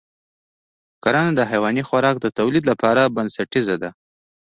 کرنه د حیواني خوراک د تولید لپاره بنسټیزه ده.